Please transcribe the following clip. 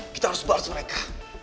kita harus balas mereka